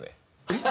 えっ？